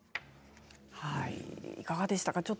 いかがでしたか？